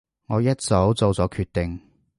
我一早做咗決定